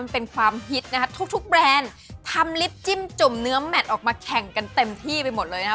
เป็นความฮิตนะคะทุกทุกแบรนด์ทำลิฟต์จิ้มจุ่มเนื้อแมทออกมาแข่งกันเต็มที่ไปหมดเลยนะครับ